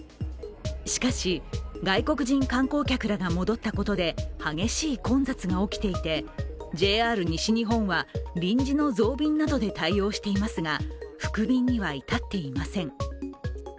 しかし、外国人観光客らが戻ったことで激しい混雑が起きていてＪＲ西日本は、臨時の増便などで対応していますが、復便には至っていません。